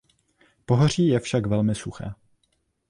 Pohoří je však velmi suché.